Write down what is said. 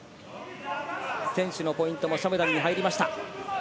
選手のポイントもシャムダンに入りました。